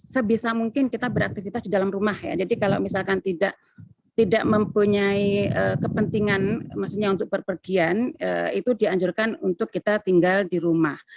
sebisa mungkin kita beraktivitas di dalam rumah ya jadi kalau misalkan tidak mempunyai kepentingan maksudnya untuk berpergian itu dianjurkan untuk kita tinggal di rumah